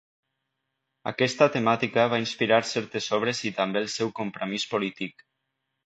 Aquesta temàtica va inspirar certes obres i també el seu compromís polític.